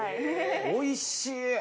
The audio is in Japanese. おいしい！